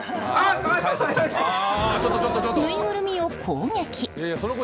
ぬいぐるみを攻撃。